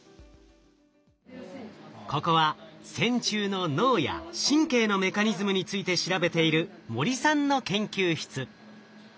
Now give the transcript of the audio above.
ここは線虫の脳や神経のメカニズムについて調べている森さんの研究室。